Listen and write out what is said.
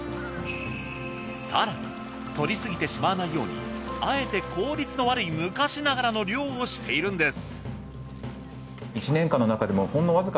更に獲りすぎてしまわないようにあえて効率の悪い昔ながらの漁をしているんです。